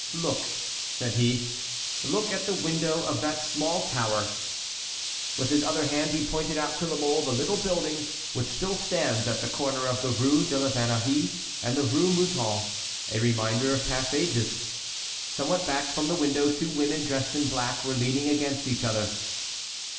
"Look," said he, "look at the window of that small tower!" With his other hand he pointed out to La Mole the little building which still stands at the corner of the Rue de la Vannerie and the Rue Mouton,—a reminder of past ages. Somewhat back from the window two women dressed in black were leaning against each other.